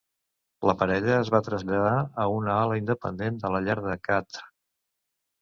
La parella es va traslladar a una ala independent de la llar de Khadr.